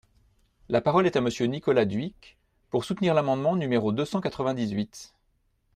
La parole est à Monsieur Nicolas Dhuicq, pour soutenir l’amendement numéro deux cent quatre-vingt-dix-huit.